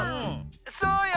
そうよ。